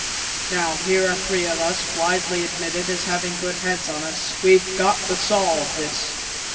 Now, here are three of us, widely admitted as having good heads on us. We've got to solve this."